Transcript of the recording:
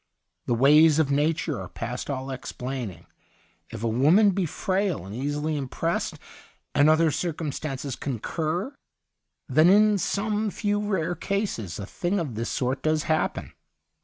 The ways of nature are past all explaining ; if a woman be frail and easily impressed, and other circumstances concur, then in some few rare cases a thing of this sort does happen.